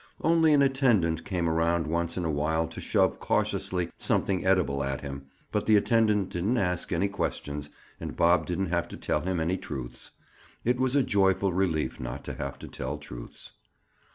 Only an attendant came around once in a while to shove cautiously something edible at him, but the attendant didn't ask any questions and Bob didn't have to tell him any truths. It was a joyful relief not to have to tell truths.